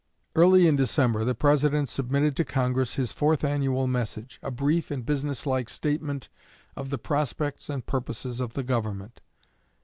Early in December the President submitted to Congress his fourth annual message a brief and businesslike statement of the prospects and purposes of the Government.